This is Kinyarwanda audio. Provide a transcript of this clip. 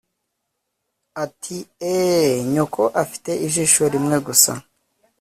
ati eeee, nyoko afite ijisho rimwe gusa